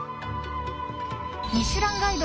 「ミシュランガイド」